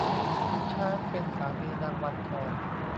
ขุนช้างเป็นสามีนางวันทอง